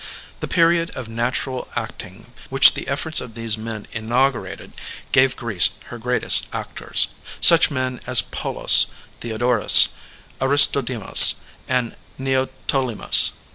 The period of natural acting which the efforts of these men inaugurated gave Greece her greatest actors — such men as Polus, Theodorus, Aristodemus, and Neoptolemus.